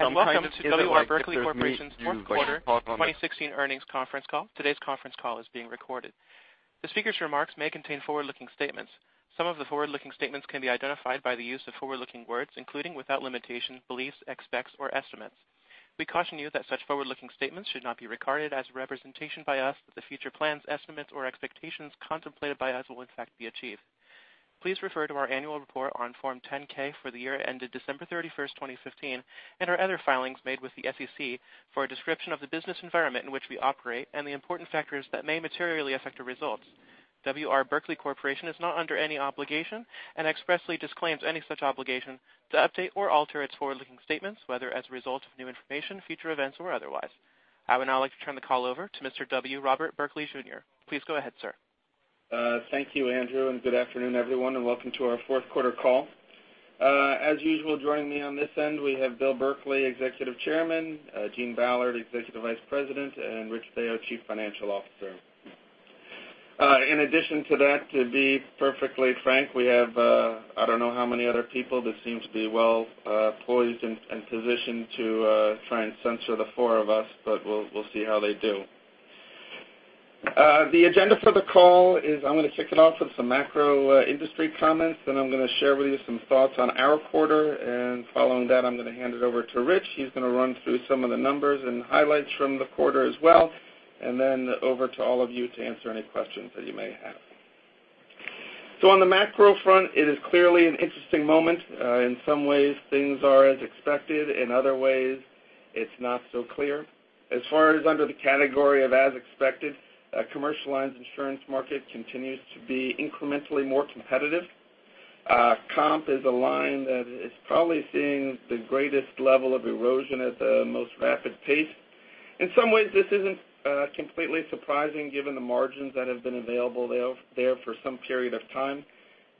Welcome to W. R. Berkley Corporation's fourth quarter 2016 earnings conference call. Today's conference call is being recorded. The speaker's remarks may contain forward-looking statements. Some of the forward-looking statements can be identified by the use of forward-looking words, including, without limitation, beliefs, expects, or estimates. We caution you that such forward-looking statements should not be regarded as a representation by us that the future plans, estimates, or expectations contemplated by us will in fact be achieved. Please refer to our annual report on Form 10-K for the year ended December 31st, 2015, and our other filings made with the SEC for a description of the business environment in which we operate and the important factors that may materially affect our results. W. R. Berkley Corporation is not under any obligation and expressly disclaims any such obligation to update or alter its forward-looking statements, whether as a result of new information, future events, or otherwise. I would now like to turn the call over to Mr. W. Robert Berkley Jr. Please go ahead, sir. Thank you, Andrew. Good afternoon, everyone, and welcome to our fourth quarter call. As usual, joining me on this end, we have Bill Berkley, Executive Chairman, Gene Ballard, Executive Vice President, and Rich Baio, Chief Financial Officer. In addition to that, to be perfectly frank, we have I don't know how many other people that seem to be well poised and positioned to try and censor the four of us, but we'll see how they do. The agenda for the call is I'm going to kick it off with some macro industry comments. Then I'm going to share with you some thoughts on our quarter. Following that, I'm going to hand it over to Rich. He's going to run through some of the numbers and highlights from the quarter as well. Then over to all of you to answer any questions that you may have. On the macro front, it is clearly an interesting moment. In some ways, things are as expected. In other ways, it's not so clear. As far as under the category of as expected, commercial lines insurance market continues to be incrementally more competitive. Comp is a line that is probably seeing the greatest level of erosion at the most rapid pace. In some ways, this isn't completely surprising given the margins that have been available there for some period of time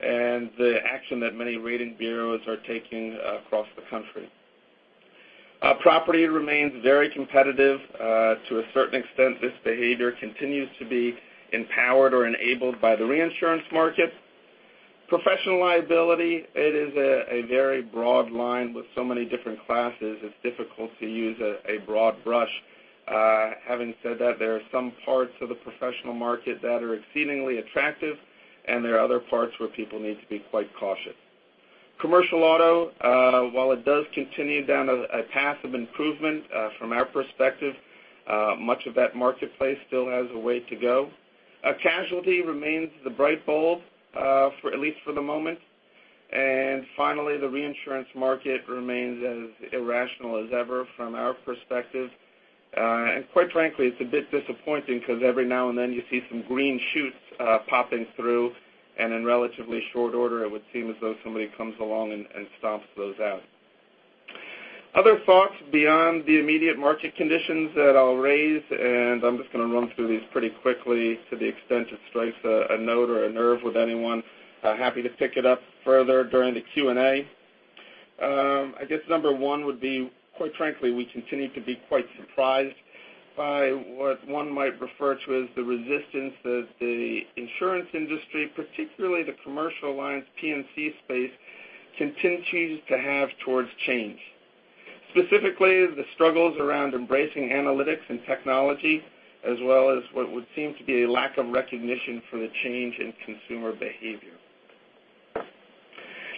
and the action that many rating bureaus are taking across the country. Property remains very competitive. To a certain extent, this behavior continues to be empowered or enabled by the reinsurance market. Professional liability, it is a very broad line with so many different classes. It's difficult to use a broad brush. Having said that, there are some parts of the professional market that are exceedingly attractive, and there are other parts where people need to be quite cautious. Commercial auto, while it does continue down a path of improvement from our perspective, much of that marketplace still has a way to go. Casualty remains the bright bulb at least for the moment. Finally, the reinsurance market remains as irrational as ever from our perspective. Quite frankly, it's a bit disappointing because every now and then you see some green shoots popping through, and in relatively short order, it would seem as though somebody comes along and stomps those out. Other thoughts beyond the immediate market conditions that I'll raise, I'm just going to run through these pretty quickly to the extent it strikes a note or a nerve with anyone, happy to pick it up further during the Q&A. I guess number one would be, quite frankly, we continue to be quite surprised by what one might refer to as the resistance that the insurance industry, particularly the commercial lines P&C space, continues to have towards change. Specifically, the struggles around embracing analytics and technology as well as what would seem to be a lack of recognition for the change in consumer behavior.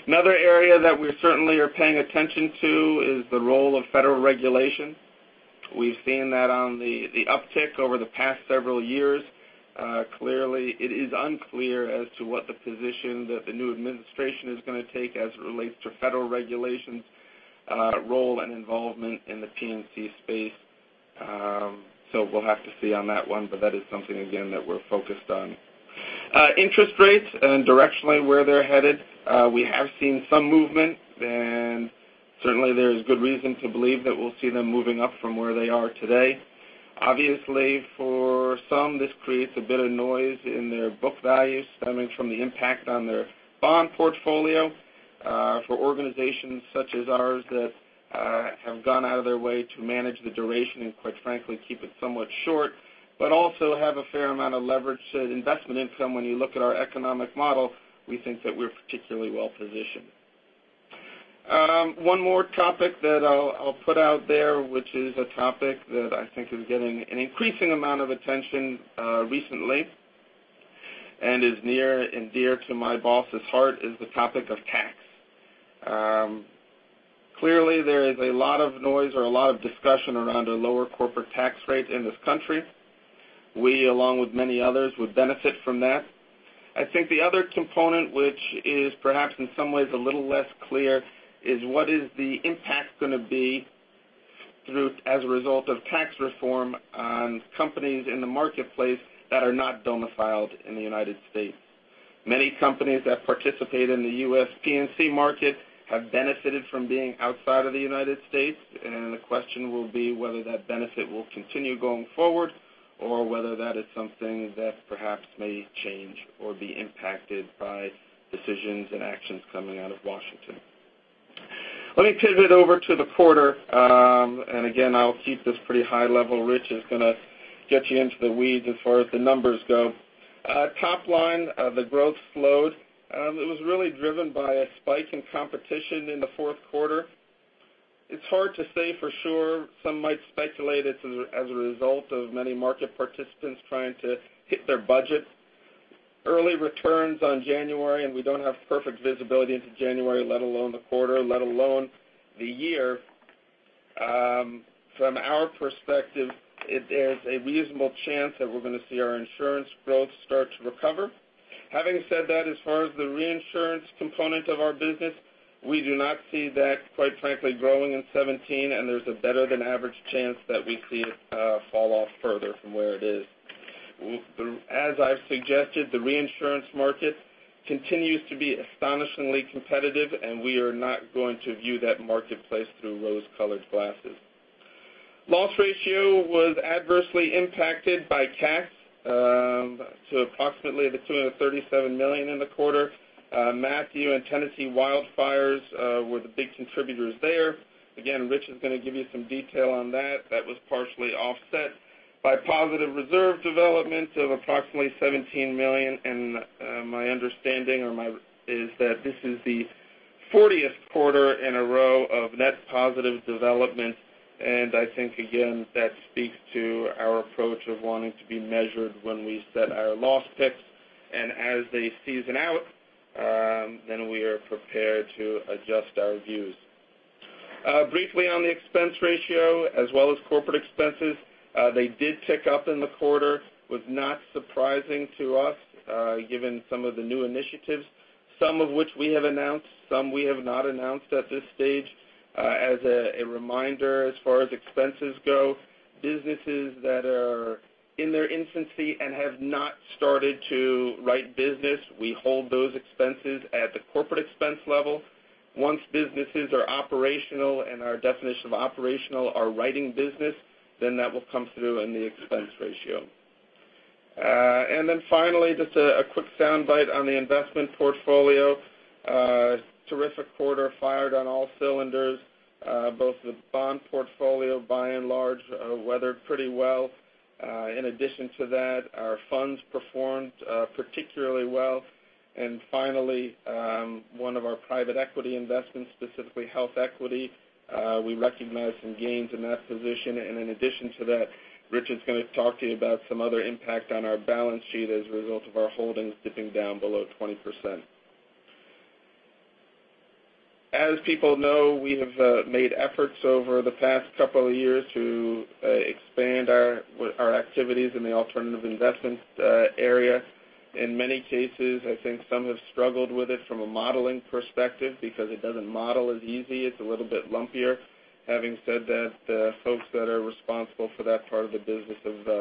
Another area that we certainly are paying attention to is the role of federal regulation. We've seen that on the uptick over the past several years. Clearly, it is unclear as to what the position that the new administration is going to take as it relates to federal regulations' role and involvement in the P&C space. We'll have to see on that one, but that is something again that we're focused on. Interest rates and directionally where they're headed. We have seen some movement, and certainly there's good reason to believe that we'll see them moving up from where they are today. Obviously, for some, this creates a bit of noise in their book value stemming from the impact on their bond portfolio. For organizations such as ours that have gone out of their way to manage the duration and quite frankly keep it somewhat short but also have a fair amount of leverage to investment income, when you look at our economic model, we think that we're particularly well-positioned. One more topic that I'll put out there, which is a topic that I think is getting an increasing amount of attention recently and is near and dear to my boss's heart, is the topic of tax. Clearly, there is a lot of noise or a lot of discussion around a lower corporate tax rate in this country. We, along with many others, would benefit from that. I think the other component, which is perhaps in some ways a little less clear, is what is the impact going to be as a result of tax reform on companies in the marketplace that are not domiciled in the United States? Many companies that participate in the U.S. P&C market have benefited from being outside of the United States, and the question will be whether that benefit will continue going forward or whether that is something that perhaps may change or be impacted by decisions and actions coming out of Washington. Let me pivot over to the quarter. Again, I'll keep this pretty high level. Rich is going to get you into the weeds as far as the numbers go. Top line, the growth slowed. It was really driven by a spike in competition in the fourth quarter. It's hard to say for sure. Some might speculate it's as a result of many market participants trying to hit their budget. Early returns on January, and we don't have perfect visibility into January, let alone the quarter, let alone the year. From our perspective, there's a reasonable chance that we're going to see our insurance growth start to recover. Having said that, as far as the reinsurance component of our business, we do not see that, quite frankly, growing in 2017, and there's a better-than-average chance that we see it fall off further from where it is. As I've suggested, the reinsurance market continues to be astonishingly competitive, and we are not going to view that marketplace through rose-colored glasses. Loss ratio was adversely impacted by cat to approximately the $237 million in the quarter. Matthew and Tennessee wildfires were the big contributors there. Again, Rich is going to give you some detail on that. That was partially offset by positive reserve development of approximately $17 million. My understanding is that this is the 40th quarter in a row of net positive development, and I think, again, that speaks to our approach of wanting to be measured when we set our loss picks. As they season out, then we are prepared to adjust our views. Briefly on the expense ratio as well as corporate expenses, they did tick up in the quarter. Was not surprising to us given some of the new initiatives, some of which we have announced, some we have not announced at this stage. A reminder, as far as expenses go, businesses that are in their infancy and have not started to write business, we hold those expenses at the corporate expense level. Once businesses are operational, and our definition of operational are writing business, then that will come through in the expense ratio. Finally, just a quick soundbite on the investment portfolio. Terrific quarter, fired on all cylinders. Both the bond portfolio, by and large, weathered pretty well. In addition to that, our funds performed particularly well. Finally, one of our private equity investments, specifically HealthEquity, we recognized some gains in that position. In addition to that, Rich is going to talk to you about some other impact on our balance sheet as a result of our holdings dipping down below 20%. As people know, we have made efforts over the past couple of years to expand our activities in the alternative investment area. Many cases, I think some have struggled with it from a modeling perspective because it doesn't model as easy. It's a little bit lumpier. Having said that, the folks that are responsible for that part of the business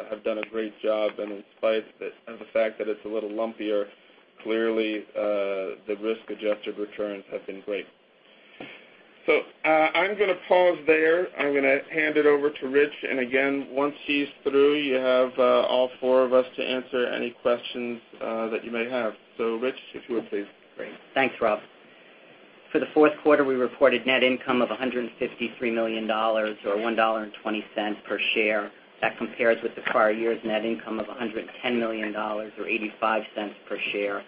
have done a great job. In spite of the fact that it's a little lumpier, clearly the risk-adjusted returns have been great. I'm going to pause there. I'm going to hand it over to Rich, and again, once he's through, you have all four of us to answer any questions that you may have. Rich, if you would, please. Great. Thanks, Rob. For the fourth quarter, we reported net income of $153 million, or $1.20 per share. That compares with the prior year's net income of $110 million, or $0.85 per share.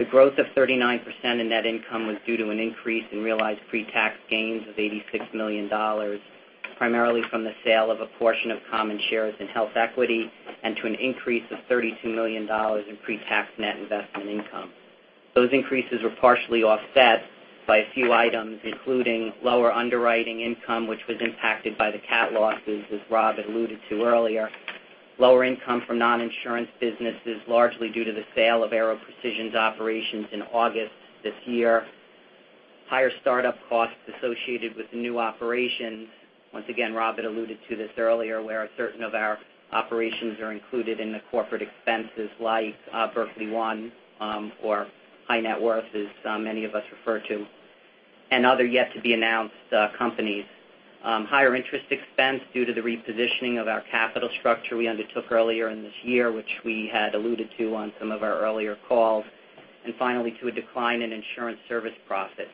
The growth of 39% in net income was due to an increase in realized pretax gains of $86 million, primarily from the sale of a portion of common shares in HealthEquity and to an increase of $32 million in pretax net investment income. Those increases were partially offset by a few items, including lower underwriting income, which was impacted by the cat losses, as Rob had alluded to earlier. Lower income from non-insurance businesses, largely due to the sale of Aero Precision's operations in August this year. Higher startup costs associated with new operations. Once again, Rob had alluded to this earlier, where certain of our operations are included in the corporate expenses like Berkley One, or High Net Worth, as many of us refer to, and other yet-to-be-announced companies. Higher interest expense due to the repositioning of our capital structure we undertook earlier in this year, which we had alluded to on some of our earlier calls. Finally, to a decline in insurance service profits.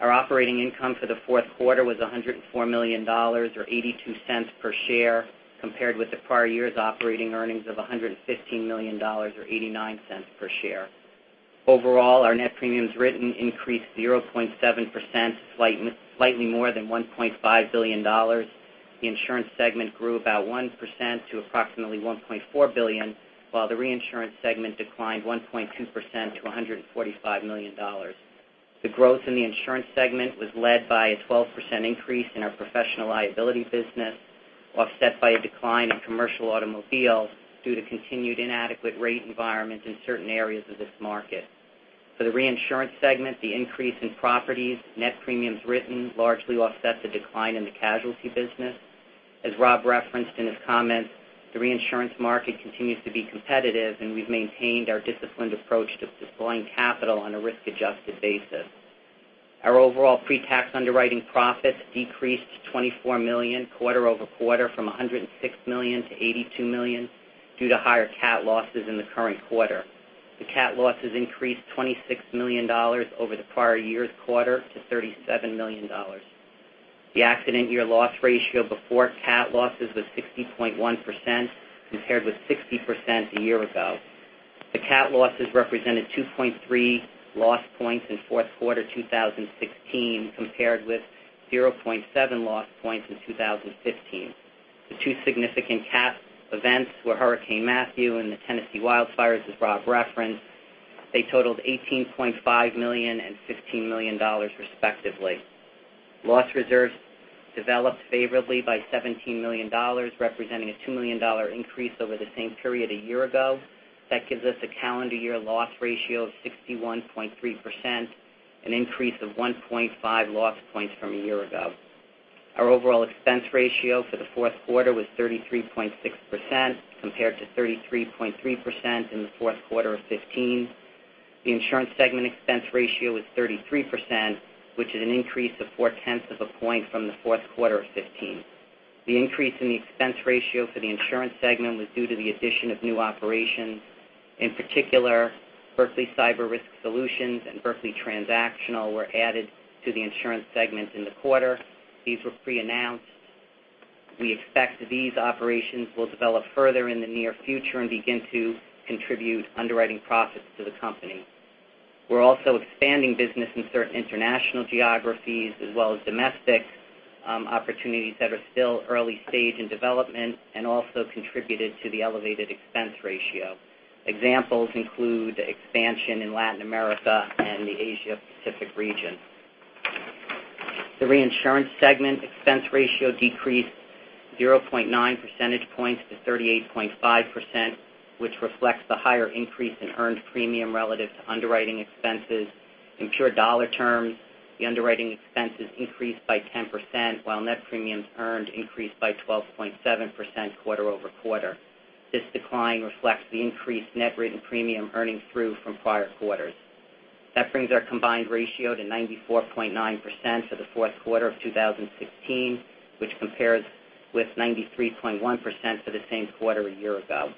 Our operating income for the fourth quarter was $104 million, or $0.82 per share, compared with the prior year's operating earnings of $115 million or $0.89 per share. Overall, our net premiums written increased 0.7%, slightly more than $1.5 billion. The insurance segment grew about 1% to approximately $1.4 billion, while the reinsurance segment declined 1.2% to $145 million. The growth in the insurance segment was led by a 12% increase in our professional liability business, offset by a decline in commercial automobiles due to continued inadequate rate environments in certain areas of this market. For the reinsurance segment, the increase in properties net premiums written largely offset the decline in the casualty business. As Rob referenced in his comments, the reinsurance market continues to be competitive, and we've maintained our disciplined approach to deploying capital on a risk-adjusted basis. Our overall pretax underwriting profits decreased to $24 million quarter-over-quarter from $106 million to $82 million due to higher cat losses in the current quarter. The cat losses increased $26 million over the prior year's quarter to $37 million. The accident year loss ratio before cat losses was 60.1%, compared with 60% a year ago. The cat losses represented 2.3 loss points in fourth quarter 2016, compared with 0.7 loss points in 2015. The two significant cat events were Hurricane Matthew and the Tennessee wildfires, as Rob referenced. They totaled $18.5 million and $15 million respectively. Loss reserves developed favorably by $17 million, representing a $2 million increase over the same period a year ago. That gives us a calendar year loss ratio of 61.3%, an increase of 1.5 loss points from a year ago. Our overall expense ratio for the fourth quarter was 33.6%, compared to 33.3% in the fourth quarter of 2015. The insurance segment expense ratio was 33%, which is an increase of 0.4 of a point from the fourth quarter of 2015. The increase in the expense ratio for the insurance segment was due to the addition of new operations. In particular, Berkley Cyber Risk Solutions and Berkley Transactional were added to the insurance segment in the quarter. These were pre-announced. We expect these operations will develop further in the near future and begin to contribute underwriting profits to the company. We're also expanding business in certain international geographies as well as domestic opportunities that are still early stage in development and also contributed to the elevated expense ratio. Examples include expansion in Latin America and the Asia Pacific region. The reinsurance segment expense ratio decreased 0.9 percentage points to 38.5%, which reflects the higher increase in earned premium relative to underwriting expenses. In pure dollar terms, the underwriting expenses increased by 10%, while net premiums earned increased by 12.7% quarter-over-quarter. This decline reflects the increased net written premium earning through from prior quarters. That brings our combined ratio to 94.9% for the fourth quarter of 2016, which compares with 93.1% for the same quarter a year ago.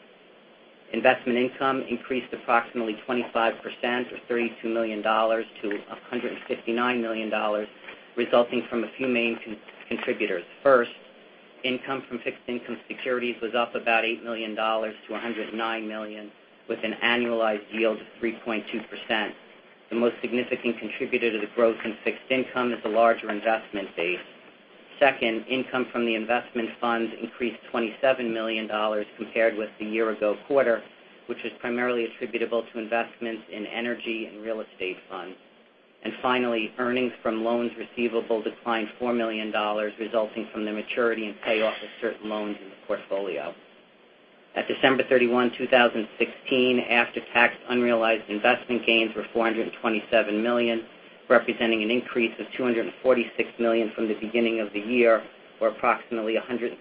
Investment income increased approximately 25%, or $32 million to $159 million, resulting from a few main contributors. First, income from fixed income securities was up about $8 million to $109 million, with an annualized yield of 3.2%. The most significant contributor to the growth in fixed income is the larger investment base. Second, income from the investment funds increased $27 million compared with the year ago quarter, which is primarily attributable to investments in energy and real estate funds. Finally, earnings from loans receivable declined $4 million, resulting from the maturity and payoff of certain loans in the portfolio. At December 31, 2016, after-tax unrealized investment gains were $427 million, representing an increase of $246 million from the beginning of the year, or approximately 136%.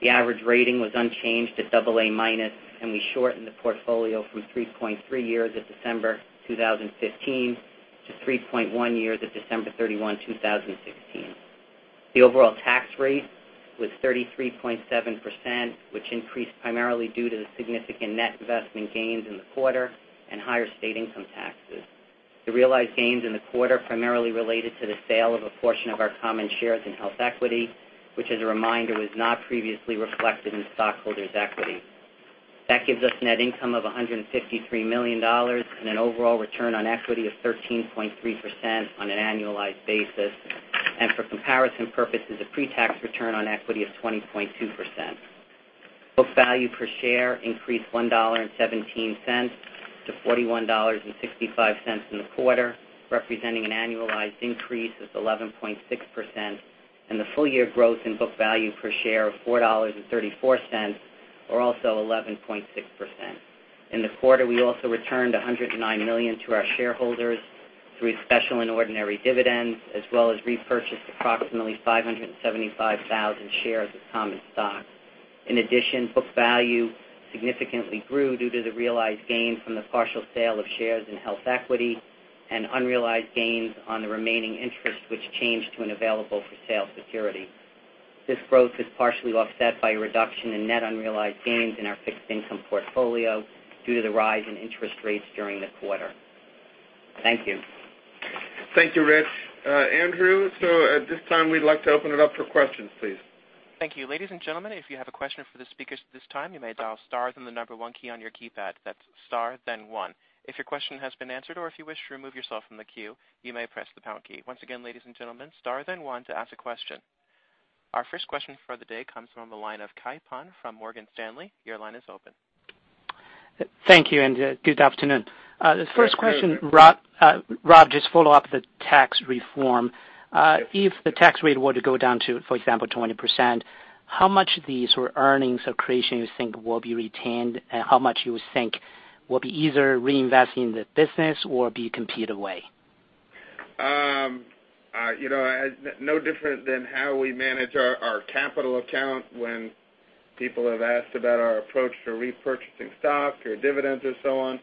The average rating was unchanged at AA-, we shortened the portfolio from 3.3 years at December 2015 to 3.1 years at December 31, 2016. The overall tax rate was 33.7%, which increased primarily due to the significant net investment gains in the quarter and higher state income taxes. The realized gains in the quarter primarily related to the sale of a portion of our common shares in HealthEquity, which as a reminder, was not previously reflected in stockholders' equity. That gives us net income of $153 million and an overall return on equity of 13.3% on an annualized basis. For comparison purposes, a pre-tax return on equity of 20.2%. Book value per share increased $1.17 to $41.65 in the quarter, representing an annualized increase of 11.6% and the full year growth in book value per share of $4.34, or also 11.6%. In the quarter, we also returned $109 million to our shareholders through special and ordinary dividends, as well as repurchased approximately 575,000 shares of common stock. In addition, book value significantly grew due to the realized gain from the partial sale of shares in HealthEquity and unrealized gains on the remaining interest, which changed to an available for sale security. This growth is partially offset by a reduction in net unrealized gains in our fixed income portfolio due to the rise in interest rates during the quarter. Thank you. Thank you, Rich. Andrew, at this time, we'd like to open it up for questions, please. Thank you. Ladies and gentlemen, if you have a question for the speakers at this time, you may dial star, then the number one key on your keypad. That's star, then one. If your question has been answered or if you wish to remove yourself from the queue, you may press the pound key. Once again, ladies and gentlemen, star, then one to ask a question. Our first question for the day comes from the line of Kai Pan from Morgan Stanley. Your line is open. Thank you, good afternoon. Yes. First question, Rob, just follow up the tax reform. If the tax rate were to go down to, for example, 20%, how much of these earnings or creation you think will be retained, and how much you think will be either reinvested in the business or be competed away? No different than how we manage our capital account when people have asked about our approach to repurchasing stock or dividends or so on.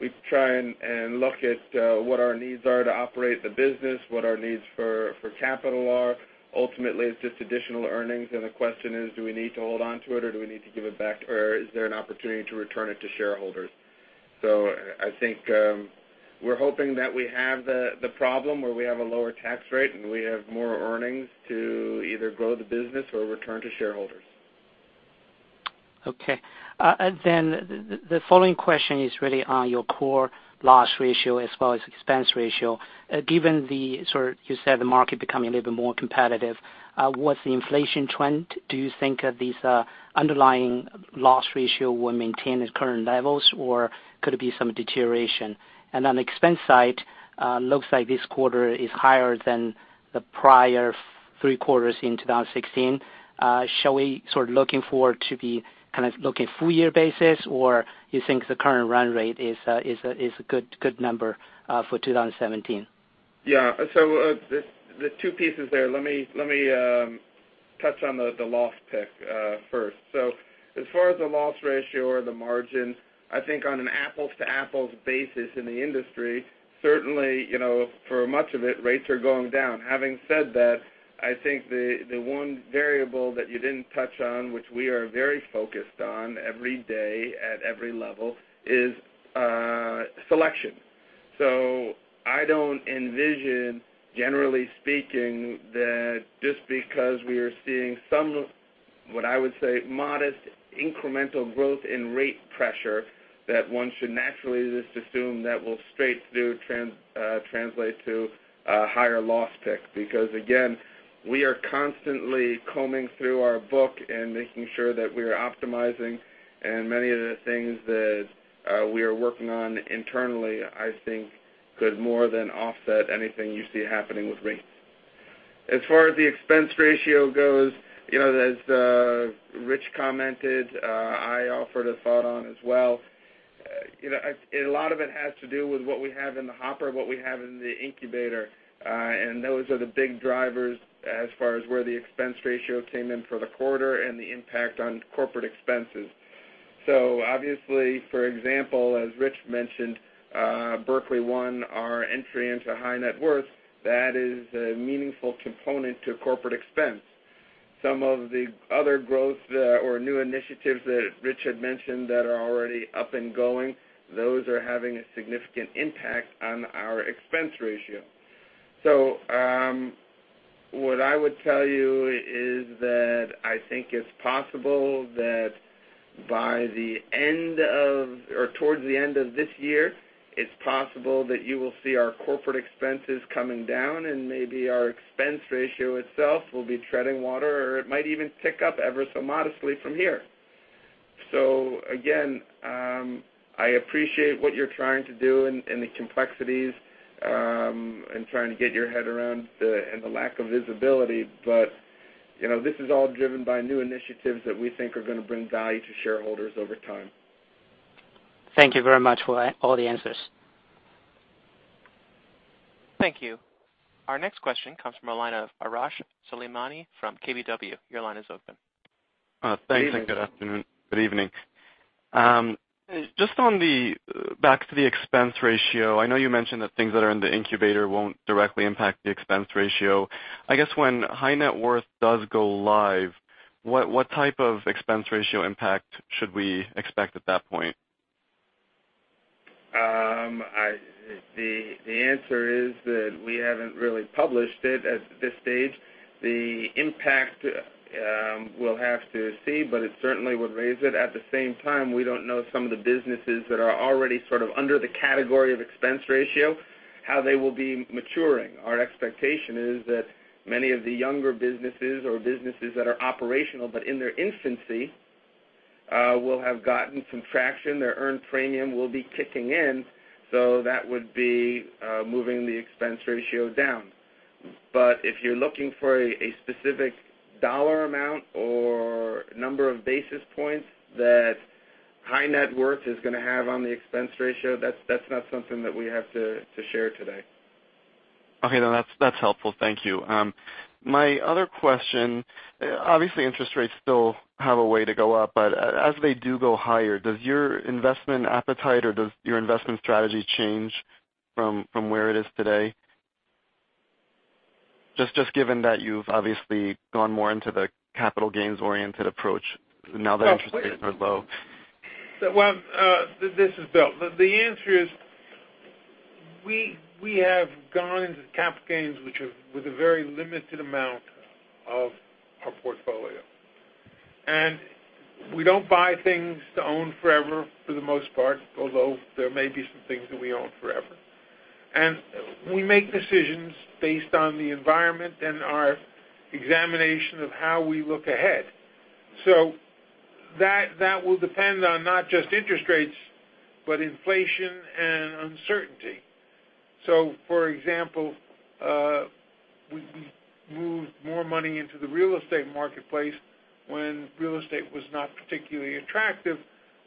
We try and look at what our needs are to operate the business, what our needs for capital are. Ultimately, it's just additional earnings, the question is, do we need to hold onto it, or do we need to give it back, or is there an opportunity to return it to shareholders? I think we're hoping that we have the problem where we have a lower tax rate, and we have more earnings to either grow the business or return to shareholders. Okay. The following question is really on your core loss ratio as well as expense ratio. Given the, sort of, you said the market becoming a little bit more competitive, with the inflation trend, do you think these underlying loss ratio will maintain its current levels, or could it be some deterioration? On expense side, looks like this quarter is higher than the prior three quarters in 2016. Shall we sort of looking forward to be kind of looking full year basis, or you think the current run rate is a good number for 2017? Yeah. The two pieces there. Let me touch on the loss pick first. As far as the loss ratio or the margin, I think on an apples-to-apples basis in the industry, certainly, for much of it, rates are going down. Having said that, I think the one variable that you didn't touch on, which we are very focused on every day at every level, is selection. I don't envision, generally speaking, that just because we are seeing some, what I would say, modest incremental growth in rate pressure, that one should naturally just assume that will straight through translate to higher loss pick. Again, we are constantly combing through our book and making sure that we are optimizing, and many of the things that we are working on internally, I think could more than offset anything you see happening with rates. As far as the expense ratio goes, as Rich commented, I offered a thought on as well. A lot of it has to do with what we have in the hopper and what we have in the incubator. Those are the big drivers as far as where the expense ratio came in for the quarter and the impact on corporate expenses. Obviously, for example, as Rich mentioned, Berkley One, our entry into high net worth, that is a meaningful component to corporate expense. Some of the other growth or new initiatives that Rich had mentioned that are already up and going, those are having a significant impact on our expense ratio. What I would tell you is that I think it's possible that by the end of, or towards the end of this year, it's possible that you will see our corporate expenses coming down and maybe our expense ratio itself will be treading water, or it might even tick up ever so modestly from here. Again, I appreciate what you're trying to do and the complexities, and trying to get your head around and the lack of visibility. This is all driven by new initiatives that we think are going to bring value to shareholders over time. Thank you very much for all the answers. Thank you. Our next question comes from the line of Arash Soleimani from KBW. Your line is open. Good evening. Good evening. Good evening. Good evening. On the back to the expense ratio, I know you mentioned that things that are in the incubator won't directly impact the expense ratio. I guess when high net worth does go live, what type of expense ratio impact should we expect at that point? The answer is that we haven't really published it at this stage. The impact we'll have to see, but it certainly would raise it. At the same time, we don't know some of the businesses that are already sort of under the category of expense ratio, how they will be maturing. Our expectation is that many of the younger businesses or businesses that are operational, but in their infancy, will have gotten some traction. Their earned premium will be kicking in, so that would be moving the expense ratio down. If you're looking for a specific dollar amount or number of basis points that high net worth is going to have on the expense ratio, that's not something that we have to share today. Okay, that's helpful. Thank you. My other question, obviously interest rates still have a way to go up, but as they do go higher, does your investment appetite or does your investment strategy change from where it is today? Just given that you've obviously gone more into the capital gains-oriented approach now that interest rates are low. Well, this is Bill. The answer is, we have gone into capital gains, which with a very limited amount of our portfolio. We don't buy things to own forever for the most part, although there may be some things that we own forever. We make decisions based on the environment and our examination of how we look ahead. That will depend on not just interest rates, but inflation and uncertainty. For example, we moved more money into the real estate marketplace when real estate was not particularly attractive.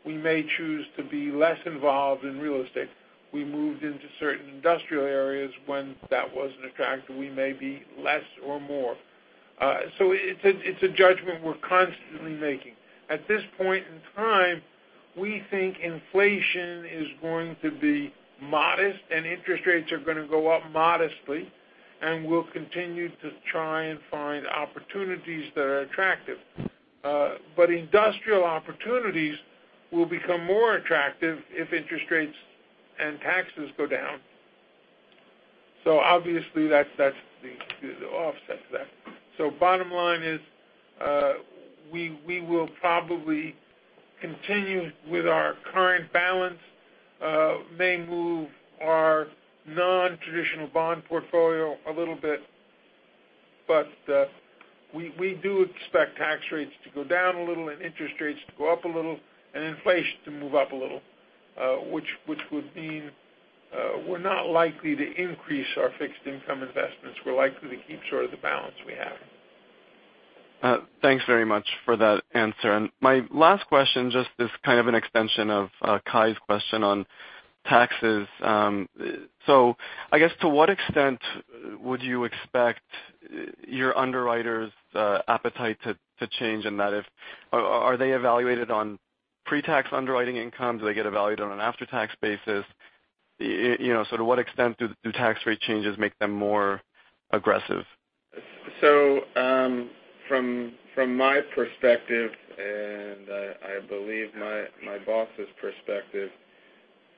We may choose to be less involved in real estate. We moved into certain industrial areas when that wasn't attractive. We may be less or more. It's a judgment we're constantly making. At this point in time, we think inflation is going to be modest and interest rates are going to go up modestly. We'll continue to try and find opportunities that are attractive. Industrial opportunities will become more attractive if interest rates and taxes go down. Obviously that offsets that. Bottom line is, we will probably continue with our current balance, may move our non-traditional bond portfolio a little bit, but we do expect tax rates to go down a little and interest rates to go up a little and inflation to move up a little, which would mean we're not likely to increase our fixed income investments. We're likely to keep sort of the balance we have. Thanks very much for that answer. My last question, just as kind of an extension of Kai's question on taxes. I guess to what extent would you expect your underwriters' appetite to change in that? Are they evaluated on pre-tax underwriting income? Do they get evaluated on an after-tax basis? To what extent do tax rate changes make them more aggressive? From my perspective, and I believe my boss's perspective,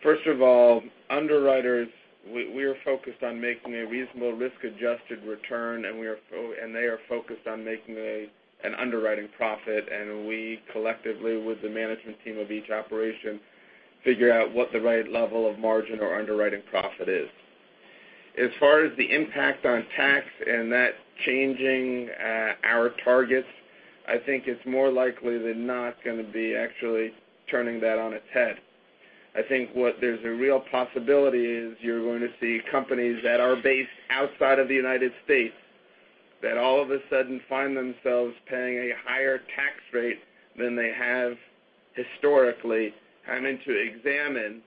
first of all, underwriters, we are focused on making a reasonable risk-adjusted return, and they are focused on making an underwriting profit. We collectively, with the management team of each operation, figure out what the right level of margin or underwriting profit is. As far as the impact on tax and that changing our targets, I think it's more likely than not going to be actually turning that on its head. I think what there's a real possibility is you're going to see companies that are based outside of the U.S. that all of a sudden find themselves paying a higher tax rate than they have historically, having to examine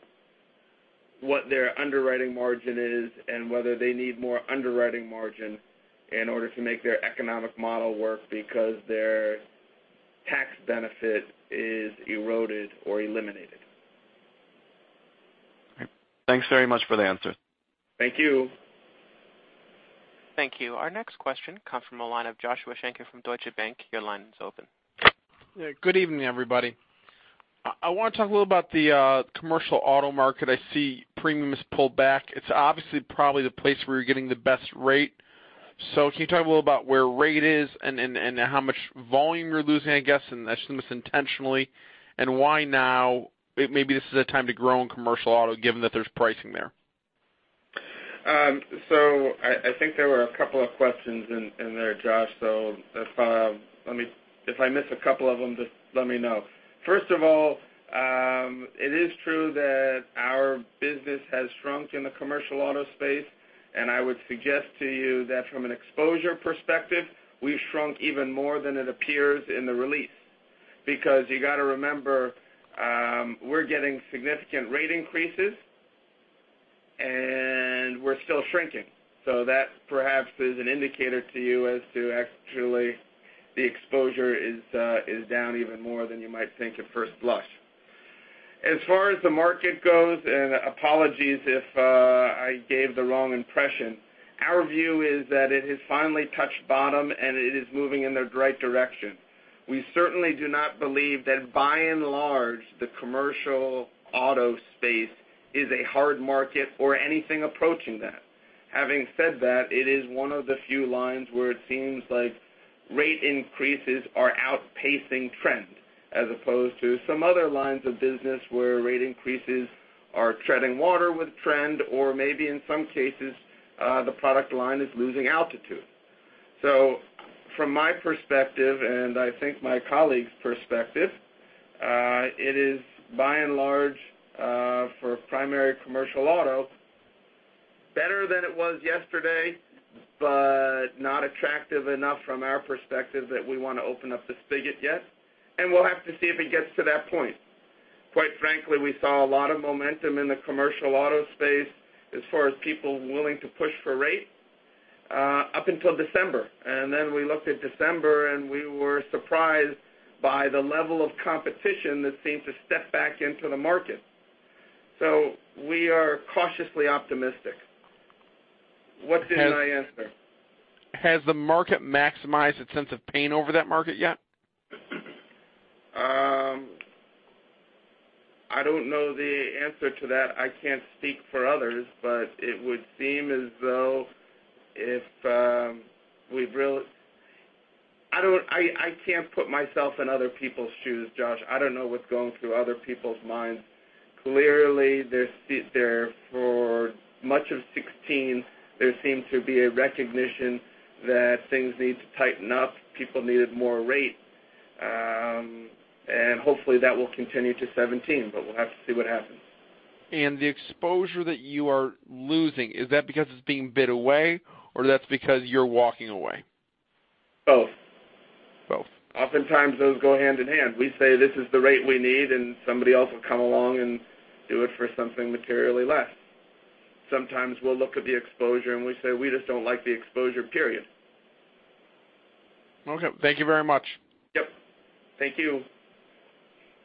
what their underwriting margin is and whether they need more underwriting margin in order to make their economic model work because their tax benefit is eroded or eliminated. Thanks very much for the answer. Thank you. Thank you. Our next question comes from the line of Joshua Shanker from Deutsche Bank. Your line is open. Good evening, everybody. I want to talk a little about the commercial auto market. I see premiums pulled back. It's obviously probably the place where you're getting the best rate. Can you talk a little about where rate is and how much volume you're losing, I guess, and that's intentionally, and why now? Maybe this is a time to grow in commercial auto given that there's pricing there. I think there were a couple of questions in there, Josh. If I miss a couple of them, just let me know. First of all, it is true that our business has shrunk in the commercial auto space, and I would suggest to you that from an exposure perspective, we've shrunk even more than it appears in the release. Because you got to remember, we're getting significant rate increases and we're still shrinking. That perhaps is an indicator to you as to actually the exposure is down even more than you might think at first blush. As far as the market goes, and apologies if I gave the wrong impression, our view is that it has finally touched bottom and it is moving in the right direction. We certainly do not believe that by and large, the commercial auto space is a hard market or anything approaching that. Having said that, it is one of the few lines where it seems like rate increases are outpacing trend as opposed to some other lines of business where rate increases are treading water with trend or maybe in some cases, the product line is losing altitude. From my perspective and I think my colleagues' perspective, it is by and large, for primary commercial auto, better than it was yesterday, but not attractive enough from our perspective that we want to open up the spigot yet. We'll have to see if it gets to that point. Quite frankly, we saw a lot of momentum in the commercial auto space as far as people willing to push for rate up until December. We looked at December, and we were surprised by the level of competition that seemed to step back into the market. We are cautiously optimistic. What didn't I answer? Has the market maximized its sense of pain over that market yet? I don't know the answer to that. I can't speak for others, but it would seem as though if we've I can't put myself in other people's shoes, Josh. I don't know what's going through other people's minds. Clearly, for much of 2016, there seemed to be a recognition that things need to tighten up. People needed more rate. Hopefully that will continue to 2017, but we'll have to see what happens. The exposure that you are losing, is that because it's being bid away or that's because you're walking away? Both. Both. Oftentimes those go hand in hand. We say, "This is the rate we need," somebody else will come along and do it for something materially less. Sometimes we'll look at the exposure, we say, "We just don't like the exposure," period. Okay. Thank you very much. Yep. Thank you.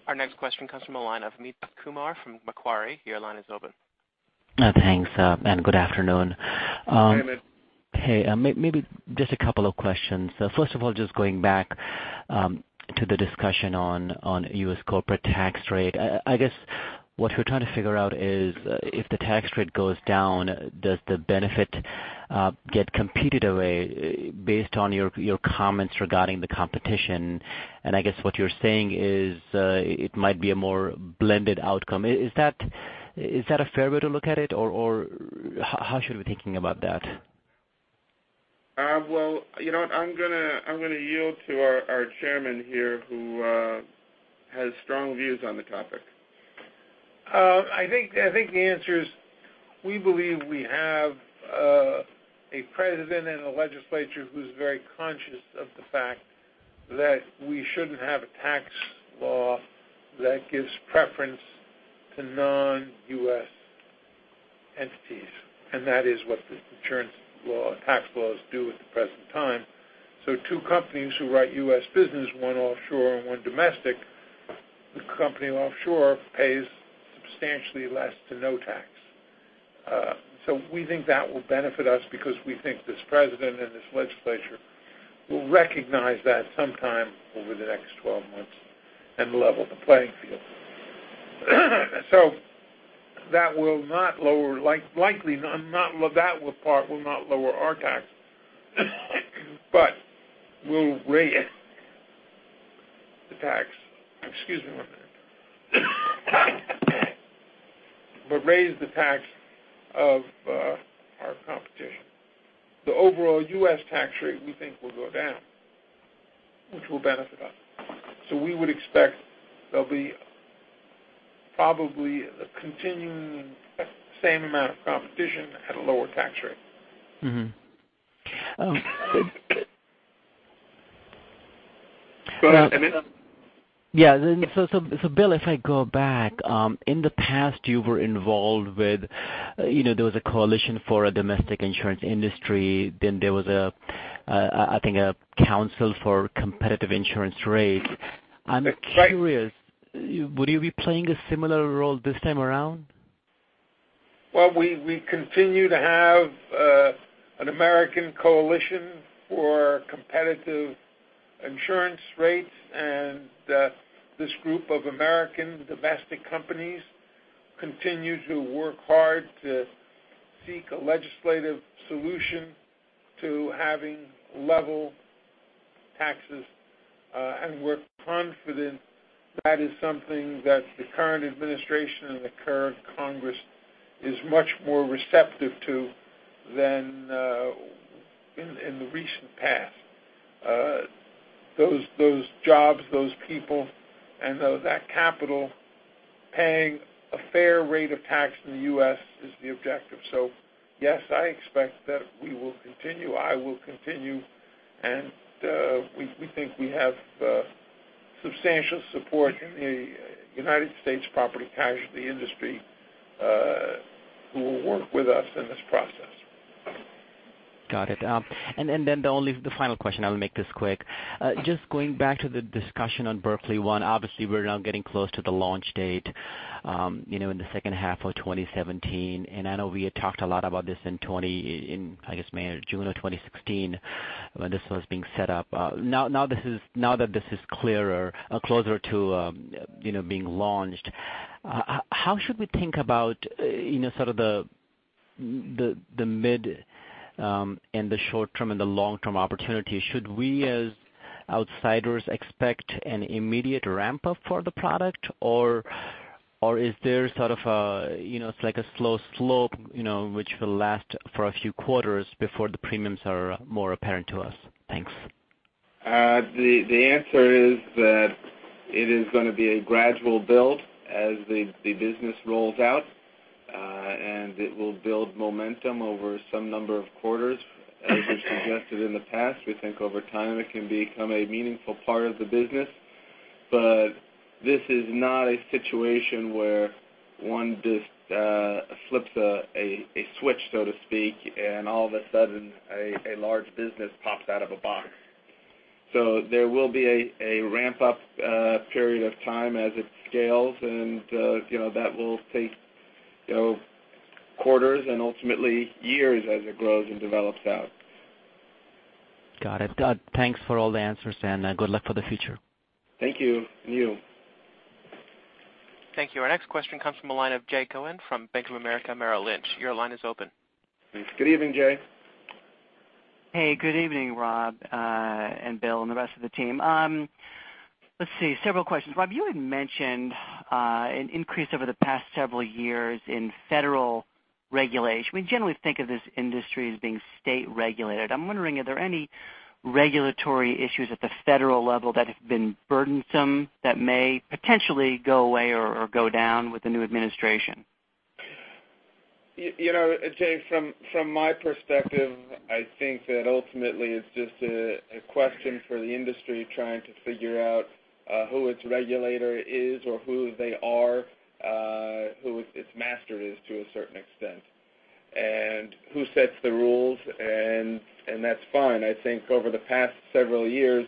Our next question comes from the line of Amit Kumar from Macquarie. Your line is open. Thanks, good afternoon. Hi, Amit. Hey. Maybe just a couple of questions. First of all, just going back to the discussion on U.S. corporate tax rate. I guess what we're trying to figure out is, if the tax rate goes down, does the benefit get competed away based on your comments regarding the competition? I guess what you're saying is, it might be a more blended outcome. Is that a fair way to look at it, or how should we be thinking about that? Well, you know what? I'm going to yield to our chairman here who has strong views on the topic. I think the answer is, we believe we have a president and a legislature who's very conscious of the fact that we shouldn't have a tax law that gives preference to non-U.S. entities, and that is what the insurance tax laws do at the present time. Two companies who write U.S. business, one offshore and one domestic, the company offshore pays substantially less to no tax. We think that will benefit us because we think this president and this legislature will recognize that sometime over the next 12 months and level the playing field. That will not lower, likely, that part will not lower our tax, but will raise the tax. Excuse me one minute. Raise the tax of our competition. The overall U.S. tax rate, we think, will go down, which will benefit us. We would expect there'll be probably a continuing same amount of competition at a lower tax rate. Mm-hmm. Oh, good. Go ahead, Amit. Yeah. Bill, if I go back, in the past you were involved with, there was a coalition for a domestic insurance industry, then there was, I think, a Coalition for Competitive Insurance Rates. I'm curious, would you be playing a similar role this time around? We continue to have an American coalition for competitive insurance rates, and this group of American domestic companies continue to work hard to seek a legislative solution to having level taxes. We're confident that is something that the current administration and the current Congress is much more receptive to than in the recent past. Those jobs, those people and that capital paying a fair rate of tax in the U.S. is the objective. Yes, I expect that we will continue, I will continue, and we think we have substantial support in the United States property casualty industry who will work with us in this process. Got it. The final question, I will make this quick. Just going back to the discussion on Berkley One, obviously we're now getting close to the launch date in the second half of 2017. I know we had talked a lot about this in, I guess, May or June of 2016 when this was being set up. Now that this is closer to being launched, how should we think about the mid- and the short-term and the long-term opportunity? Should we, as outsiders, expect an immediate ramp-up for the product, or is there sort of a slow slope which will last for a few quarters before the premiums are more apparent to us? Thanks. The answer is that it is going to be a gradual build as the business rolls out. It will build momentum over some number of quarters. As we've suggested in the past, we think over time it can become a meaningful part of the business. This is not a situation where one just flips a switch, so to speak, and all of a sudden, a large business pops out of a box. There will be a ramp-up period of time as it scales and that will take quarters and ultimately years as it grows and develops out. Got it. Thanks for all the answers and good luck for the future. Thank you. And you. Thank you. Our next question comes from the line of Jay Cohen from Bank of America Merrill Lynch. Your line is open. Thanks. Good evening, Jay. Hey, good evening, Rob, and Bill, and the rest of the team. Let's see. Several questions. Rob, you had mentioned an increase over the past several years in federal regulation. We generally think of this industry as being state-regulated. I'm wondering, are there any regulatory issues at the federal level that have been burdensome that may potentially go away or go down with the new administration? Jay, from my perspective, I think that ultimately it's just a question for the industry trying to figure out who its regulator is or who they are, who its master is to a certain extent. Who sets the rules, and that's fine. I think over the past several years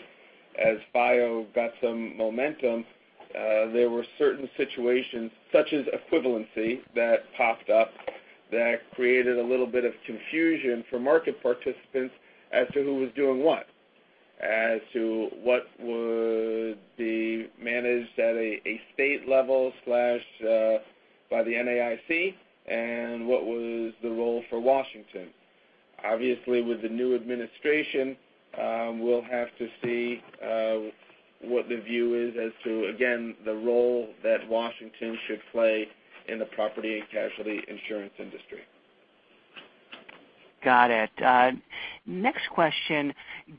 as FIO got some momentum, there were certain situations, such as equivalency, that popped up that created a little bit of confusion for market participants as to who was doing what. As to what would be managed at a state level/by the NAIC, and what was the role for Washington. Obviously, with the new administration, we'll have to see what the view is as to, again, the role that Washington should play in the property and casualty insurance industry. Got it. Next question.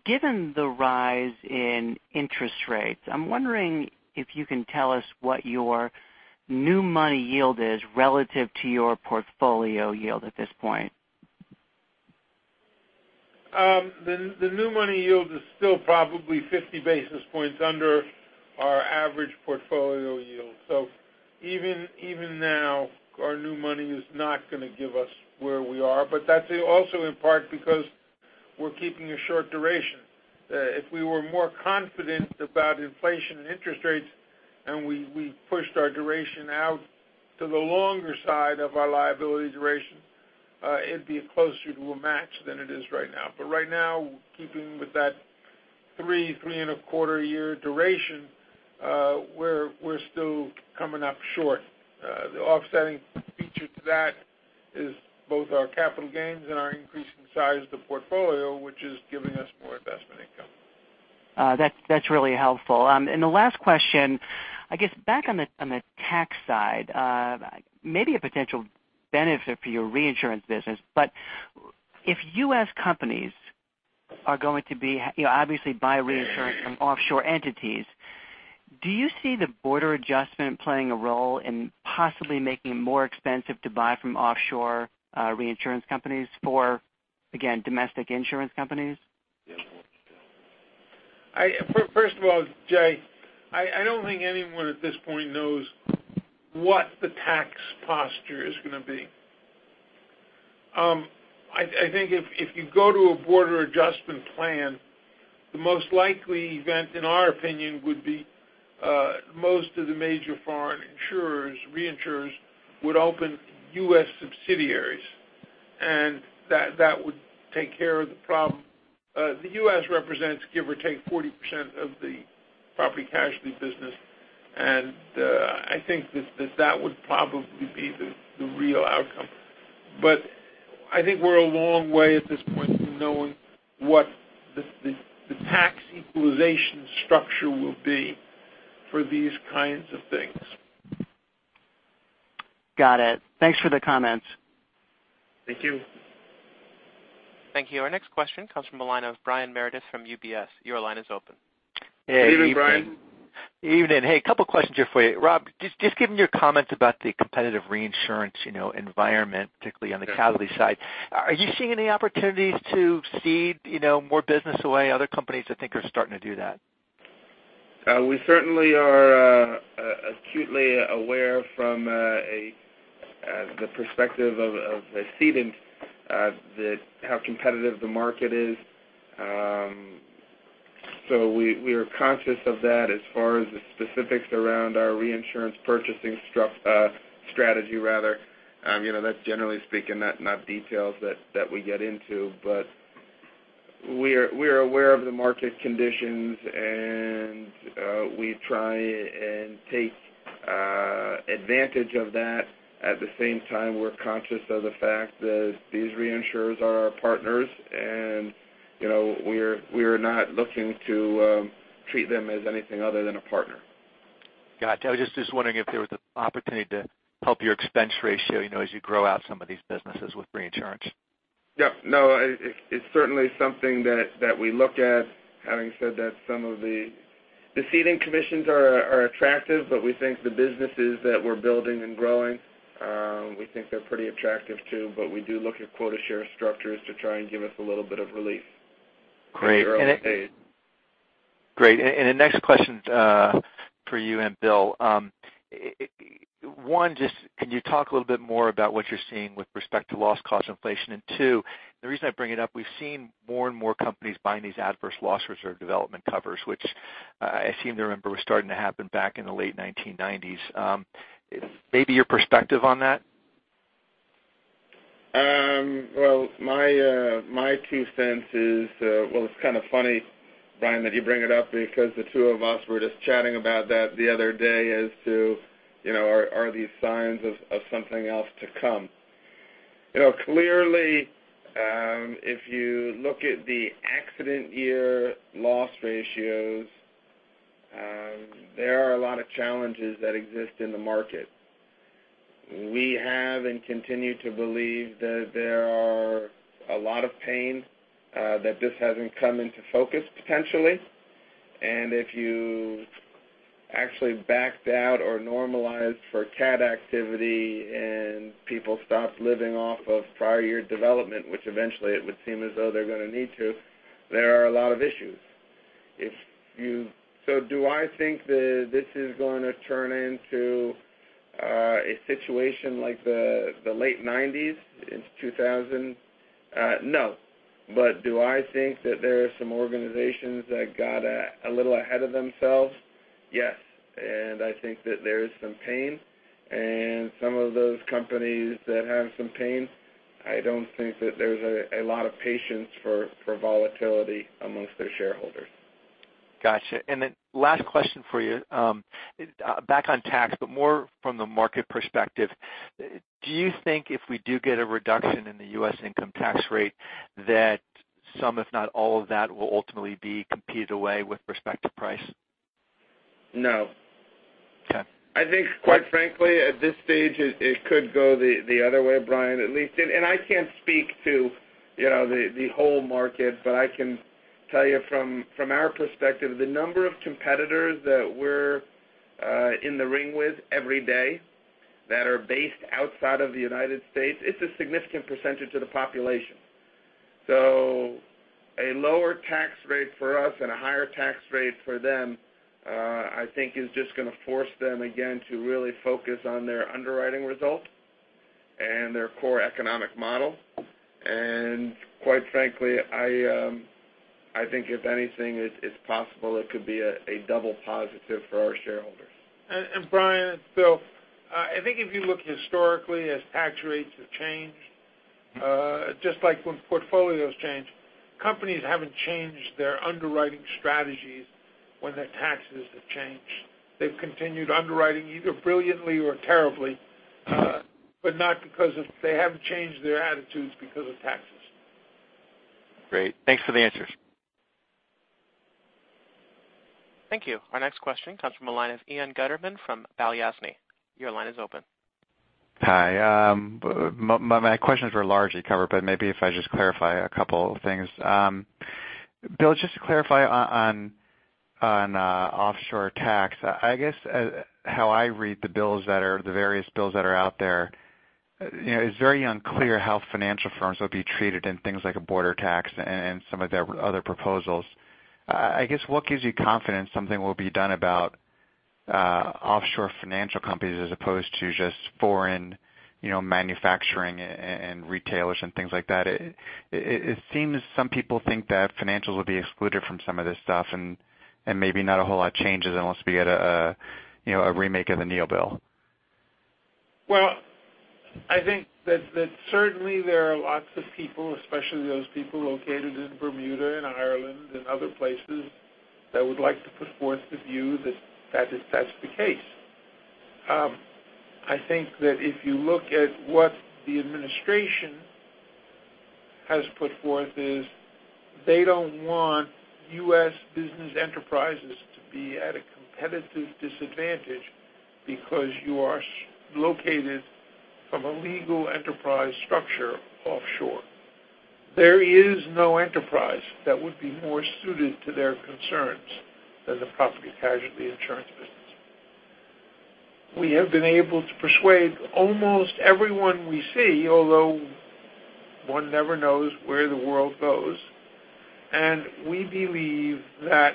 Given the rise in interest rates, I'm wondering if you can tell us what your new money yield is relative to your portfolio yield at this point. The new money yield is still probably 50 basis points under our average portfolio yield. Even now, our new money is not going to give us where we are. That's also in part because we're keeping a short duration. If we were more confident about inflation and interest rates and we pushed our duration out to the longer side of our liability duration, it'd be closer to a match than it is right now. Right now, keeping with that three and a quarter year duration, we're still coming up short. The offsetting feature to that is both our capital gains and our increase in size of the portfolio, which is giving us more investment income. That's really helpful. The last question, I guess back on the tax side, maybe a potential benefit for your reinsurance business. If U.S. companies are going to obviously buy reinsurance from offshore entities, do you see the border adjustment playing a role in possibly making it more expensive to buy from offshore reinsurance companies for, again, domestic insurance companies? First of all, Jay, I don't think anyone at this point knows what the tax posture is going to be. I think if you go to a border adjustment plan, the most likely event, in our opinion, would be most of the major foreign insurers, reinsurers would open U.S. subsidiaries, and that would take care of the problem. The U.S. represents give or take 40% of the property casualty business, and I think that that would probably be the real outcome. I think we're a long way at this point from knowing what the tax equalization structure will be for these kinds of things. Got it. Thanks for the comments. Thank you. Thank you. Our next question comes from the line of Brian Meredith from UBS. Your line is open. Good evening, Brian. Evening. Hey, couple of questions here for you. Rob, just given your comments about the competitive reinsurance environment, particularly on the casualty side, are you seeing any opportunities to cede more business away? Other companies I think are starting to do that. We certainly are acutely aware from the perspective of a cedent how competitive the market is. We are conscious of that. As far as the specifics around our reinsurance purchasing strategy, generally speaking, not details that we get into, but we're aware of the market conditions, and we try and take advantage of that. At the same time, we're conscious of the fact that these reinsurers are our partners and we're not looking to treat them as anything other than a partner. Got it. I was just wondering if there was an opportunity to help your expense ratio as you grow out some of these businesses with reinsurance. Yep. No, it's certainly something that we look at. Having said that, some of the ceding commissions are attractive, but we think the businesses that we're building and growing, we think they're pretty attractive, too. We do look at quota share structures to try and give us a little bit of relief in our own space. Great. The next question's for you and Bill. One, just can you talk a little bit more about what you're seeing with respect to loss cost inflation? Two, the reason I bring it up, we've seen more and more companies buying these adverse loss reserve development covers, which I seem to remember were starting to happen back in the late 1990s. Maybe your perspective on that? My two cents is, well, it's kind of funny, Brian, that you bring it up because the two of us were just chatting about that the other day as to are these signs of something else to come. Clearly, if you look at the accident year loss ratios, there are a lot of challenges that exist in the market. We have and continue to believe that there are a lot of pain that just hasn't come into focus potentially, and if you actually backed out or normalized for cat activity and people stopped living off of prior year development, which eventually it would seem as though they're going to need to, there are a lot of issues. Do I think that this is going to turn into a situation like the late '90s into 2000? No. Do I think that there are some organizations that got a little ahead of themselves? Yes. I think that there is some pain. Some of those companies that have some pain, I don't think that there's a lot of patience for volatility amongst their shareholders. Got you. Last question for you. Back on tax, more from the market perspective. Do you think if we do get a reduction in the U.S. income tax rate, that some, if not all of that, will ultimately be competed away with respect to price? No. Okay. I think, quite frankly, at this stage, it could go the other way, Brian, at least. I can't speak to the whole market, but I can tell you from our perspective, the number of competitors that we're in the ring with every day that are based outside of the United States, it's a significant percentage of the population. A lower tax rate for us and a higher tax rate for them, I think is just going to force them again to really focus on their underwriting results and their core economic model. Quite frankly, I think if anything, it's possible it could be a double positive for our shareholders. Brian, it's Bill. I think if you look historically as tax rates have changed, just like when portfolios change, companies haven't changed their underwriting strategies when their taxes have changed. They've continued underwriting either brilliantly or terribly, but not because they haven't changed their attitudes because of taxes. Great. Thanks for the answers. Thank you. Our next question comes from the line of Ian Gutterman from Balyasny. Your line is open. Hi. My questions were largely covered, maybe if I just clarify a couple of things. Bill, just to clarify on offshore tax, I guess how I read the bills that are the various bills that are out there, it's very unclear how financial firms will be treated in things like a border tax and some of their other proposals. I guess, what gives you confidence something will be done about offshore financial companies as opposed to just foreign manufacturing and retailers and things like that? It seems some people think that financials will be excluded from some of this stuff, and maybe not a whole lot changes unless we get a remake of the Neal Bill. I think that certainly there are lots of people, especially those people located in Bermuda and Ireland and other places that would like to put forth the view that that's the case. I think that if you look at what the administration has put forth is they don't want U.S. business enterprises to be at a competitive disadvantage because you are located from a legal enterprise structure offshore. There is no enterprise that would be more suited to their concerns than the property casualty insurance business. We have been able to persuade almost everyone we see, although one never knows where the world goes, and we believe that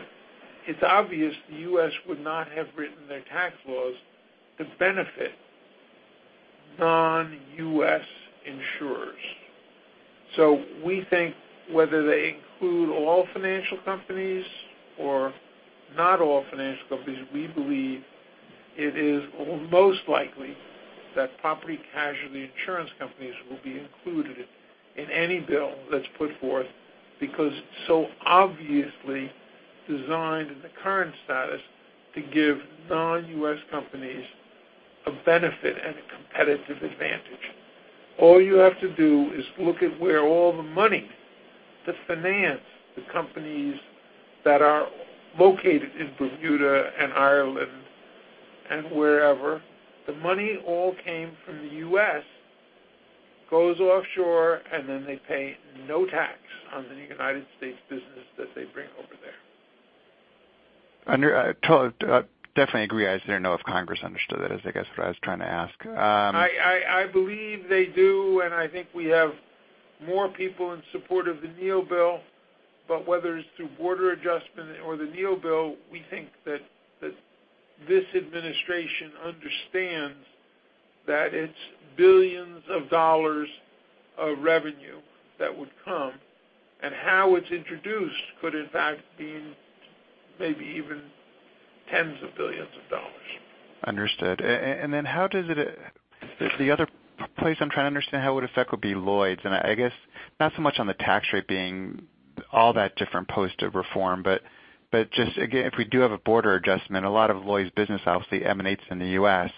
it's obvious the U.S. would not have written their tax laws to benefit non-U.S. insurers. We think whether they include all financial companies or not all financial companies, we believe it is most likely that property casualty insurance companies will be included in any bill that's put forth because it's so obviously designed in the current status to give non-U.S. companies a benefit and a competitive advantage. All you have to do is look at where all the money to finance the companies that are located in Bermuda and Ireland and wherever, the money all came from the U.S., goes offshore, and then they pay no tax on the United States business that they bring over there. I definitely agree. I just didn't know if Congress understood that, is I guess what I was trying to ask. I believe they do, and I think we have more people in support of the Neal Bill, but whether it's through border adjustment or the Neal Bill, we think that this administration understands that it's billions of dollars of revenue that would come, and how it's introduced could in fact be maybe even tens of billions of dollars. Understood. How does the other place I'm trying to understand how it would affect would be Lloyd's, and I guess not so much on the tax rate being all that different post reform, but just again, if we do have a border adjustment, a lot of Lloyd's business obviously emanates in the U.S.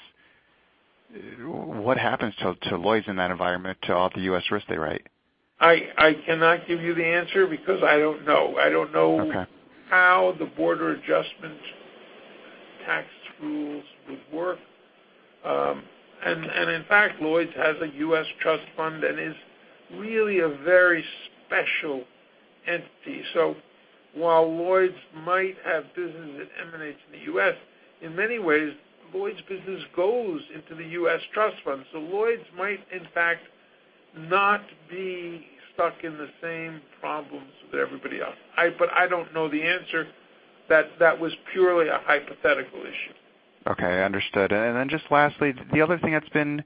What happens to Lloyd's in that environment to all the U.S. risk they write? I cannot give you the answer because I don't know. Okay. I don't know how the border adjustment tax rules would work. In fact, Lloyd's has a U.S. trust fund and is really a very special entity. While Lloyd's might have business that emanates in the U.S., in many ways, Lloyd's business goes into the U.S. trust fund. Lloyd's might, in fact, not be stuck in the same problems with everybody else. I don't know the answer. That was purely a hypothetical issue. Okay, understood. Just lastly, the other thing that's been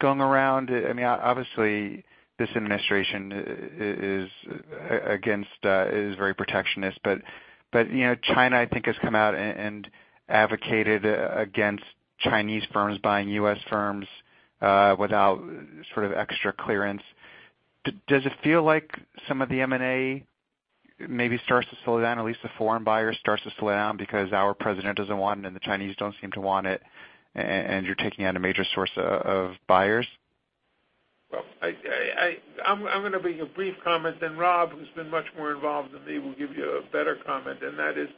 going around, obviously this administration is very protectionist, but China, I think, has come out and advocated against Chinese firms buying U.S. firms without extra clearance. Does it feel like some of the M&A maybe starts to slow down, at least the foreign buyers starts to slow down because our president doesn't want it and the Chinese don't seem to want it, and you're taking out a major source of buyers? I'm going to give a brief comment, then Rob, who's been much more involved than me, will give you a better comment, and that is,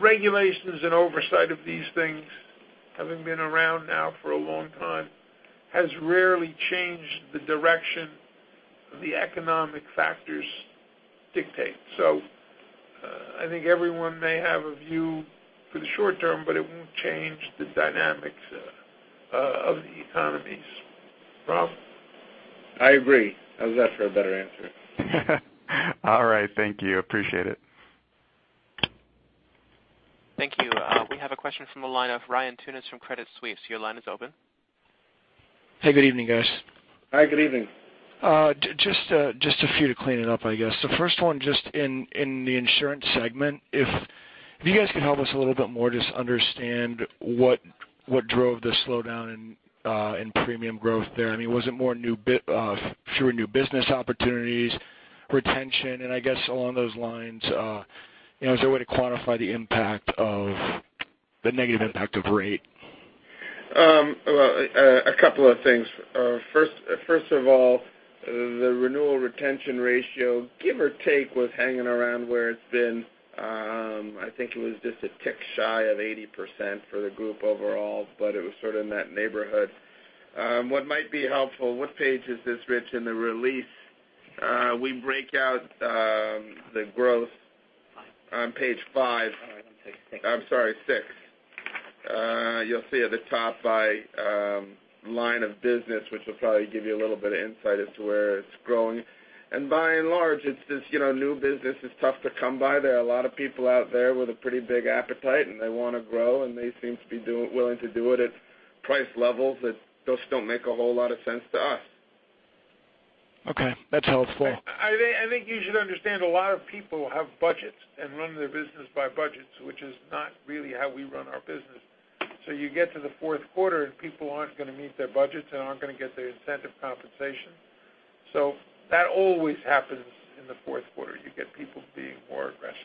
regulations and oversight of these things, having been around now for a long time, has rarely changed the direction the economic factors dictate. I think everyone may have a view for the short term, but it won't change the dynamics of the economies. Rob? I agree. How's that for a better answer? All right. Thank you. Appreciate it. Thank you. We have a question from the line of Ryan Tunis from Credit Suisse. Your line is open. Hey, good evening, guys. Hi, good evening. Just a few to clean it up, I guess. The first one, just in the insurance segment, if you guys could help us a little bit more just understand what drove the slowdown in premium growth there. Was it fewer new business opportunities, retention? I guess along those lines, is there a way to quantify the negative impact of rate? A couple of things. First of all, the renewal retention ratio, give or take, was hanging around where it's been. I think it was just a tick shy of 80% for the group overall, but it was sort of in that neighborhood. What might be helpful, what page is this, Rich, in the release? We break out the growth on page five. All right. I'm sorry, six. I'm sorry, six. You'll see at the top by line of business, which will probably give you a little bit of insight as to where it's growing. By and large, new business is tough to come by. There are a lot of people out there with a pretty big appetite, and they want to grow, and they seem to be willing to do it at price levels that just don't make a whole lot of sense to us. Okay. That's helpful. I think you should understand a lot of people have budgets and run their business by budgets, which is not really how we run our business. You get to the fourth quarter and people aren't going to meet their budgets and aren't going to get their incentive compensation. That always happens in the fourth quarter. You get people being more aggressive.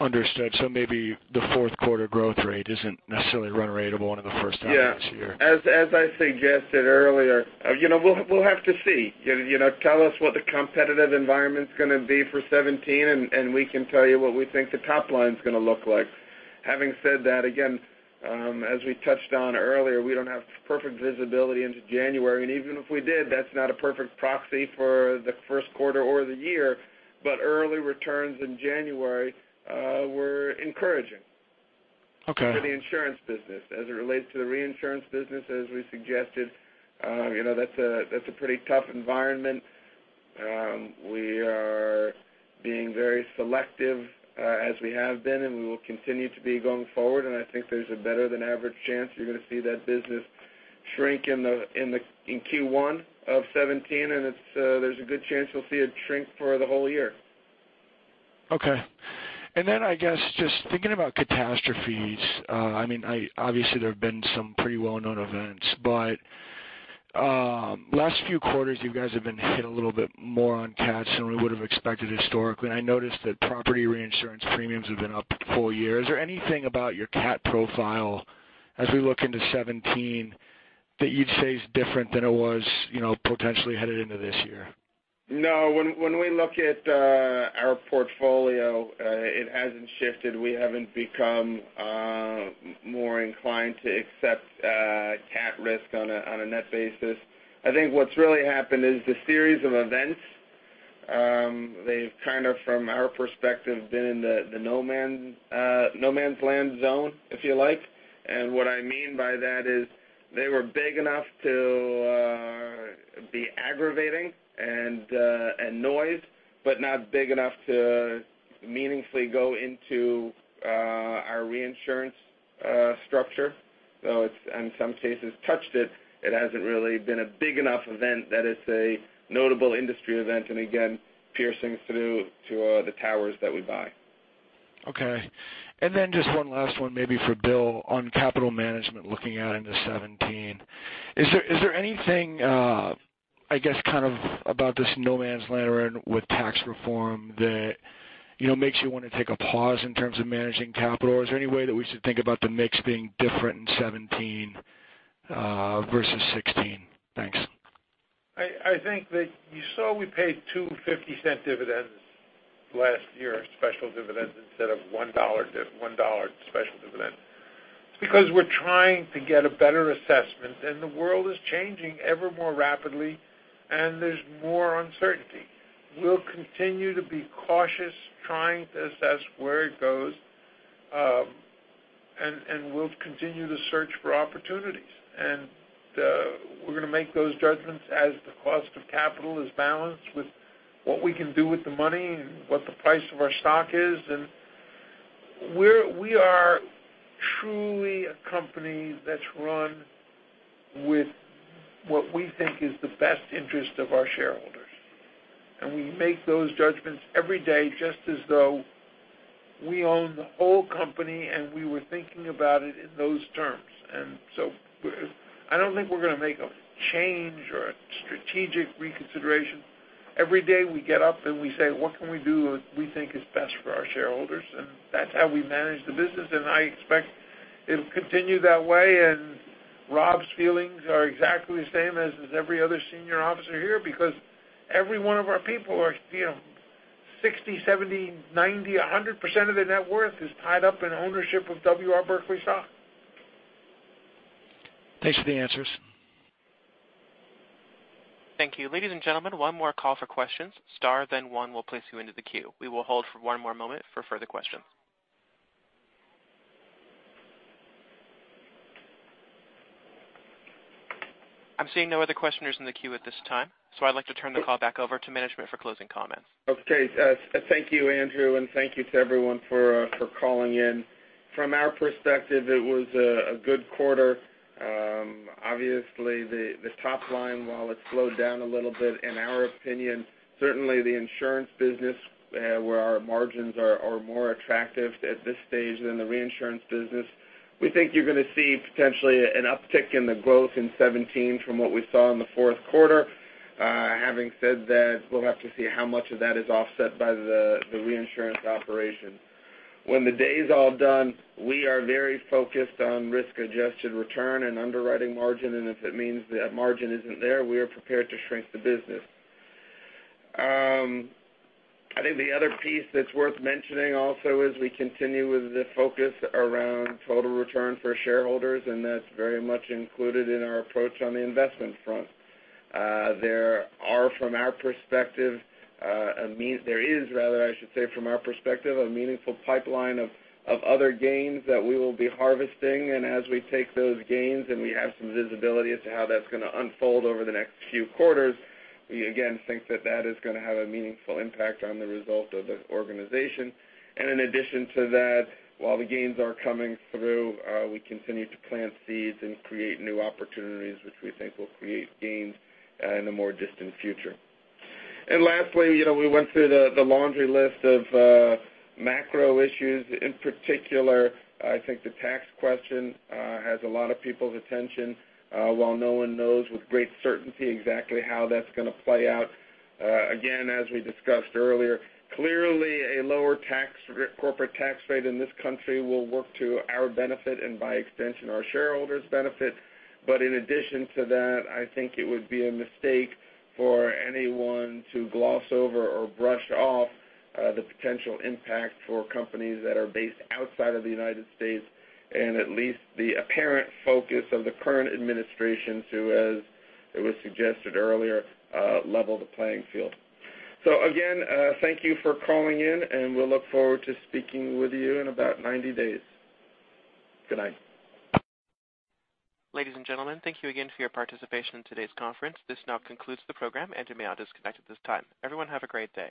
Understood. Maybe the fourth quarter growth rate isn't necessarily run rate of one of the first times this year. Yeah. As I suggested earlier, we'll have to see. Tell us what the competitive environment's going to be for 2017, and we can tell you what we think the top line's going to look like. Having said that, again, as we touched on earlier, we don't have perfect visibility into January. Even if we did, that's not a perfect proxy for the first quarter or the year. Early returns in January were encouraging. Okay for the insurance business. As it relates to the reinsurance business, as we suggested, that's a pretty tough environment. We are being very selective as we have been, and we will continue to be going forward, and I think there's a better than average chance you're going to see that business shrink in Q1 of 2017, and there's a good chance you'll see it shrink for the whole year. Okay. I guess just thinking about catastrophes, obviously there have been some pretty well-known events, last few quarters you guys have been hit a little bit more on cats than we would've expected historically, and I noticed that property reinsurance premiums have been up 4 years. Is there anything about your cat profile as we look into 2017 that you'd say is different than it was potentially headed into this year? No. When we look at our portfolio, it hasn't shifted. We haven't become more inclined to accept cat risk on a net basis. I think what's really happened is the series of events. They've kind of, from our perspective, been in the no man's land zone, if you like. What I mean by that is they were big enough to be aggravating and noise, but not big enough to meaningfully go into our reinsurance structure, though it's in some cases touched it. It hasn't really been a big enough event that it's a notable industry event, again, piercing through to the towers that we buy. Okay. Just one last one maybe for Bill on capital management looking out into 2017. Is there anything, I guess, kind of about this no man's land with tax reform that makes you want to take a pause in terms of managing capital, or is there any way that we should think about the mix being different in 2017 versus 2016? Thanks. I think that you saw we paid two $0.50 dividends last year, special dividends instead of $1 special dividend. The world is changing ever more rapidly, and there's more uncertainty. We'll continue to be cautious trying to assess where it goes. We'll continue to search for opportunities. We're going to make those judgments as the cost of capital is balanced with what we can do with the money and what the price of our stock is. We are truly a company that's run with what we think is the best interest of our shareholders. We make those judgments every day, just as though we own the whole company, and we were thinking about it in those terms. I don't think we're going to make a change or a strategic reconsideration. Every day we get up and we say, "What can we do what we think is best for our shareholders?" That's how we manage the business, and I expect it'll continue that way. Rob's feelings are exactly the same as every other senior officer here, because every one of our people are 60%, 70%, 90%, 100% of their net worth is tied up in ownership of W. R. Berkley stock. Thanks for the answers. Thank you. Ladies and gentlemen, one more call for questions. Star then one will place you into the queue. We will hold for one more moment for further questions. I'm seeing no other questioners in the queue at this time, so I'd like to turn the call back over to management for closing comments. Okay. Thank you, Andrew, and thank you to everyone for calling in. From our perspective, it was a good quarter. Obviously, the top line, while it slowed down a little bit, in our opinion, certainly the insurance business, where our margins are more attractive at this stage than the reinsurance business. We think you're going to see potentially an uptick in the growth in 2017 from what we saw in the fourth quarter. Having said that, we'll have to see how much of that is offset by the reinsurance operations. When the day is all done, we are very focused on risk-adjusted return and underwriting margin, and if it means that margin isn't there, we are prepared to shrink the business. I think the other piece that's worth mentioning also is we continue with the focus around total return for shareholders, and that's very much included in our approach on the investment front. There is, rather I should say, from our perspective, a meaningful pipeline of other gains that we will be harvesting. As we take those gains and we have some visibility as to how that's going to unfold over the next few quarters, we again think that that is going to have a meaningful impact on the result of the organization. In addition to that, while the gains are coming through, we continue to plant seeds and create new opportunities which we think will create gains in the more distant future. Lastly, we went through the laundry list of macro issues. In particular, I think the tax question has a lot of people's attention. While no one knows with great certainty exactly how that's going to play out, again, as we discussed earlier, clearly a lower corporate tax rate in this country will work to our benefit and by extension, our shareholders' benefit. In addition to that, I think it would be a mistake for anyone to gloss over or brush off the potential impact for companies that are based outside of the U.S. and at least the apparent focus of the current administration to, as it was suggested earlier, level the playing field. Again, thank you for calling in, and we'll look forward to speaking with you in about 90 days. Good night. Ladies and gentlemen, thank you again for your participation in today's conference. This now concludes the program, and you may all disconnect at this time. Everyone have a great day.